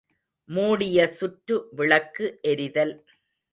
மூடிய சுற்று விளக்கு எரிதல்.